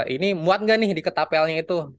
ini muat nggak nih di ketapelnya itu